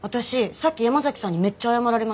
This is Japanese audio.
さっき山崎さんにめっちゃ謝られました。